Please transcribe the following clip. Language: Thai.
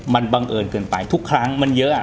มันบังเอิญเกินไปทุกครั้งมันเยอะ